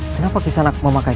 kenapa kisanak memakai